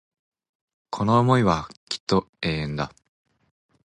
この思いはきっと永遠だ